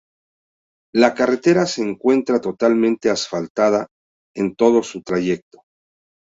La carretera se encuentra totalmente asfaltada en todo su trayecto.